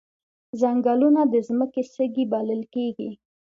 ځنګلونه د ځمکې سږي بلل کیږي